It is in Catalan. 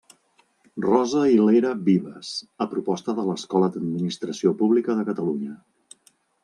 Rosa llera Vives, a proposta de l'Escola d'Administració Pública de Catalunya.